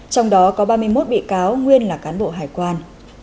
trong đó có ba mươi một bị cáo nguyên là cán bộ hải quan